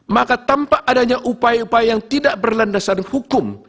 maka tanpa adanya upaya upaya yang tidak berlandasan hukum